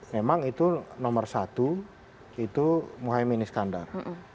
memang itu nomor satu itu muhyem iniskandar